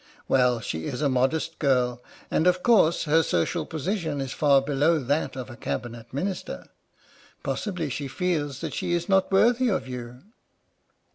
" Well, she is a modest girl, and, of course, her social position is far below that of a Cabinet Minister. Possibly she feels that she is not worthy of you."